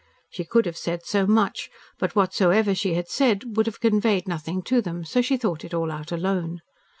She could have said so much, but whatsoever she had said would have conveyed nothing to them, so she thought it all out alone.